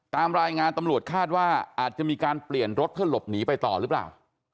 ตามรายงานตำรวจคาดว่าอาจจะมีการเปลี่ยนรถเพื่อหลบหนีไปต่อหรือเปล่า